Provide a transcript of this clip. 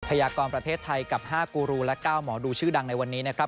ยากรประเทศไทยกับ๕กูรูและ๙หมอดูชื่อดังในวันนี้นะครับ